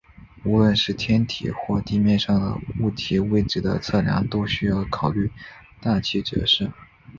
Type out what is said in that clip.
无论是天体或地面上物体位置的测量都需要考虑大气折射。